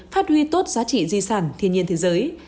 phát huy tốt giá trị di sản thiên nhiên thế giới